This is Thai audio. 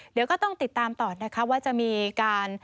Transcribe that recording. เดี๋ยวก็ต้องติดตามต่อนะคะว่าจะมีการ